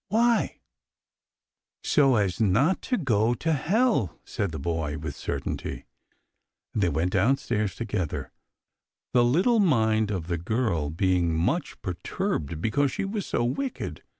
Why ?" "So as not to go to hell," said the boy, with certainty ; and they went downstairs together, the little mind of the girl being much per turbed because she was so wicked.